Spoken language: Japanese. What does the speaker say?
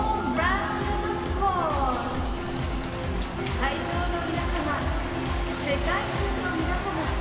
会場の皆様世界中の皆様。